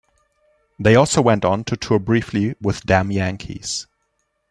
They also went on to tour briefly with Damn Yankees.